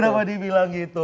kenapa dibilang begitu